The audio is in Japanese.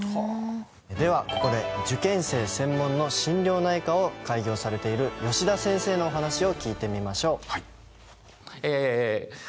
ではここで受験生専門の心療内科を開業されている吉田先生のお話を聞いてみましょう。